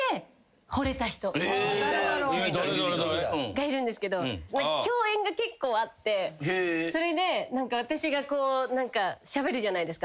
がいるんですけど共演が結構あってそれで私がこう何かしゃべるじゃないですか。